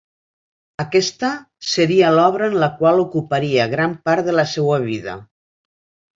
Aquesta seria l'obra en la qual ocuparia gran part de la seua vida.